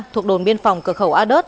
thuộc đồn biên phòng cửa khẩu a đớt